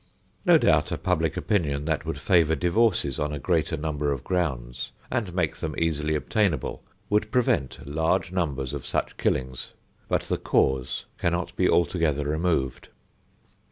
No doubt a public opinion that would favor divorces on a greater number of grounds and make them easily obtainable would prevent large numbers of such killings, but the cause can not be altogether removed.